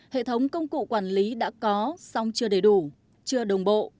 hệ thống công cụ quản lý đã có song chưa đầy đủ chưa đồng bộ